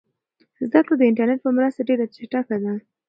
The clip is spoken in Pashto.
زده کړه د انټرنیټ په مرسته ډېره چټکه ده.